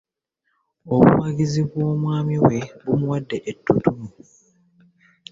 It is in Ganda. Obuwagizi bw'omwami we bumuwadde etutumu.